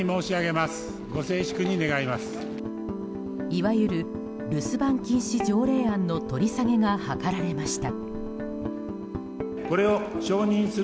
いわゆる留守番禁止条例案の取り下げが諮られました。